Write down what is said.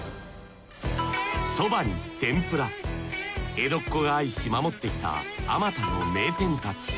江戸っ子が愛し守ってきたあまたの名店たち。